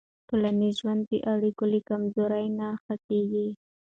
ټولنیز ژوند د اړیکو له کمزورۍ نه ښه کېږي.